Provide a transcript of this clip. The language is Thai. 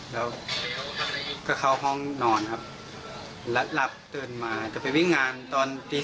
แล้วก็เข้าห้องนอนครับแล้วหลับตื่นมาจะไปวิ่งงานตอนตี๓